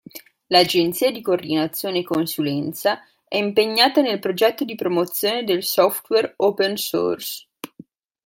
L'agenzia di coordinazione e consulenza è impegnata nel progetto di promozione del software open source.